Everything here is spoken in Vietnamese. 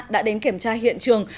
đã đến kiểm tra hiện trường